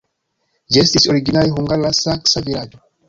Ĝi estis originale hungara-saksa vilaĝo.